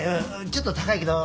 ちょっと高いけど。